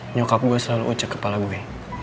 nyokap gue selalu uceh kepala gue